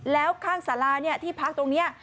แล้วข้างสาราเนี่ยที่พักตรงเนี่ย